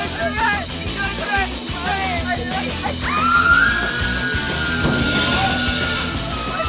ตัวเดียวกันเลย